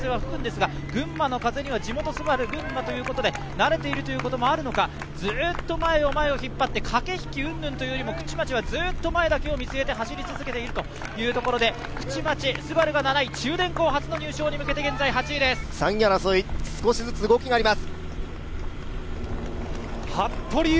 時折、強い風は吹くんですが、群馬の風には地元・ＳＵＢＡＲＵ、群馬ということで慣れているということもあるのかずっと前を前を引っ張って駆け引き云々というよりは口町はずっと前だけを見据えて走り続けているということで口町・ＳＵＢＡＲＵが７位、中電工初の入賞に向けて、３位争い少しずつ動きがあります